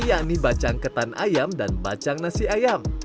yakni bacang ketan ayam dan bacang nasi ayam